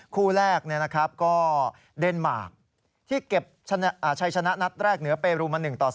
คู่แรกก็เดนมาร์คที่เก็บชัยชนะนัดแรกเหนือเปรูมา๑ต่อ๒